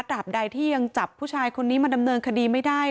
บใดที่ยังจับผู้ชายคนนี้มาดำเนินคดีไม่ได้